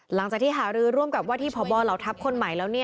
หลังจากที่หารือร่วมกับว่าที่พบเหล่าทัพคนใหม่แล้ว